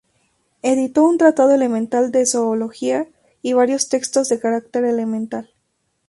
Editó un Tratado elemental de zoología y varios textos de carácter elemental.